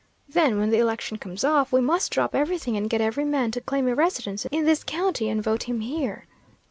Then when the election comes off, we must drop everything and get every man to claim a residence in this county and vote him here.